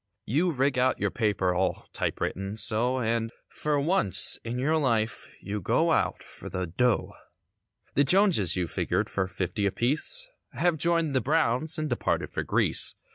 You rig out your paper all type written so And for once in your life you go out for the "dough." The Jonses you figured for fifty apiece Have joined with the Browns and departed for Greece.